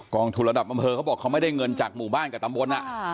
องทุนระดับอำเภอเขาบอกเขาไม่ได้เงินจากหมู่บ้านกับตำบล